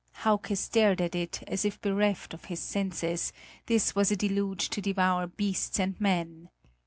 Hauke stared at it, as if bereft of his senses; this was a deluge to devour beasts and men.